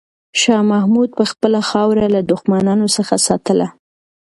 شاه محمود به خپله خاوره له دښمنانو څخه ساتله.